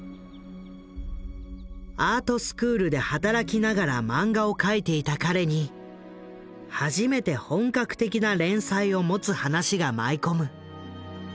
アートスクールで働きながらマンガを描いていた彼に初めて本格的な連載を持つ話が舞い込む。